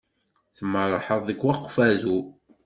Tmerrḥeḍ deg Ukfadu?